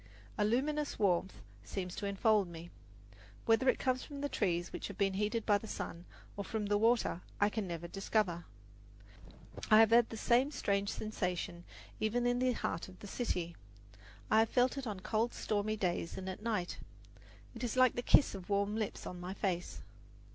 A luminous warmth seems to enfold me. Whether it comes from the trees which have been heated by the sun, or from the water, I can never discover. I have had the same strange sensation even in the heart of the city. I have felt it on cold, stormy days and at night. It is like the kiss of warm lips on my face.